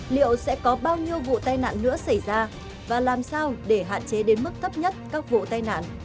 liệu sẽ có bao nhiêu vụ tai nạn nữa xảy ra và làm sao để hạn chế đến mức thấp nhất các vụ tai nạn